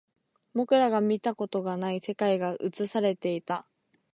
僕らが見たことがない世界が映されていた